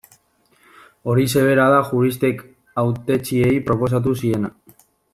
Horixe bera da juristek hautetsiei proposatu ziena.